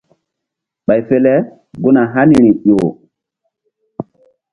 Ɓay fe le gun a haniri ƴo.